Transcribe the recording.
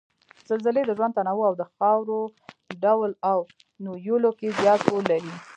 زلزلې د ژوند تنوع او د خاورو ډول او نويولو کې زیات رول لري